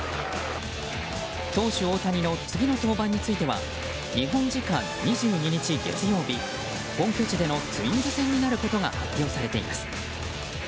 投手・大谷の次の登板については日本時間２２日、月曜日本拠地でのツインズ戦になることが発表されています。